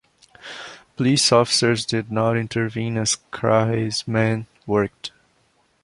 Police officers did not intervene as Krahe's men worked.